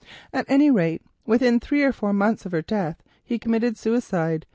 At any rate, within three or four months of her death, he committed suicide.